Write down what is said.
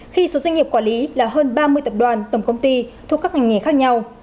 khi số doanh nghiệp quản lý là hơn ba mươi tập đoàn tổng công ty thuộc các ngành nghề khác nhau